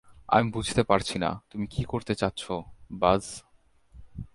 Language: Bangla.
আমি বুঝতে পারছি না, তুমি কী করতে চাচ্ছো, বায!